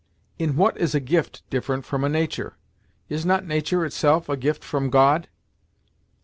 "In what is a gift different from a nature? Is not nature itself a gift from God?"